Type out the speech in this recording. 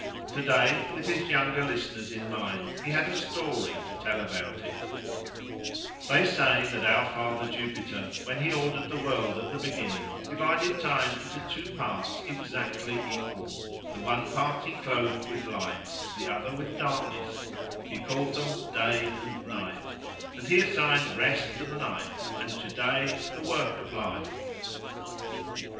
To day, with his younger listeners in mind, he had a story to tell about it:— "They say that our father Jupiter, when he ordered the world at the beginning, divided time into two parts exactly equal: the one part he clothed with light, the other with darkness: he called them Day and Night; and he assigned rest to the night and to day the work of life.